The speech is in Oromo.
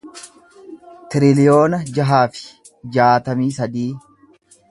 tiriliyoona jaha fi jaatamii sadii